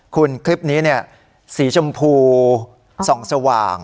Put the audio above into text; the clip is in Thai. คุณคลิปนี้เนี่ยสีชมพูส่องสว่าง